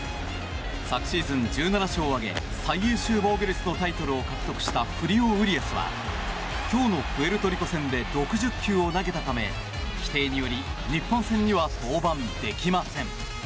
昨シーズン１７勝を挙げ最優秀防御率タイトルを獲得したフリオ・ウリアスは今日のプエルトリコ戦で６０球を投げたため、規定により日本戦には登板できません。